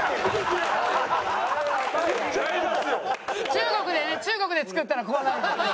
中国でね中国で作ったらこうなるんだよね。